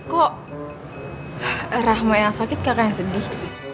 kok rahma yang sakit kakak yang sedih